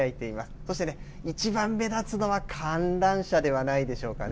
そしてね、一番目立つのは、観覧車ではないでしょうかね。